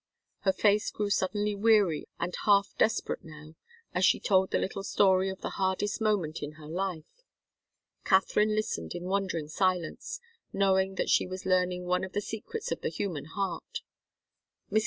Her face grew suddenly weary and half desperate now, as she told the little story of the hardest moment in her life. Katharine listened in wondering silence, knowing that she was learning one of the secrets of the human heart. Mrs.